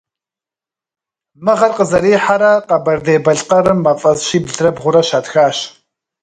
Мы гъэр къызэрихьэрэ Къэбэрдей-Балъкъэрым мафӏэс щиблрэ бгъурэ щатхащ.